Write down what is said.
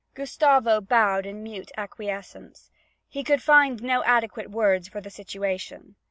Gustavo bowed in mute acquiescence. He could find no adequate words for the situation.